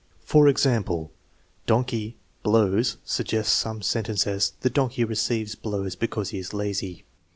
For example, donkey, Hows, suggest some such sentence as, " The donkey receives blows because he is lazy."